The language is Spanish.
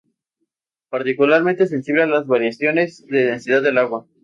Particularmente sensible a las variaciones de densidad del agua.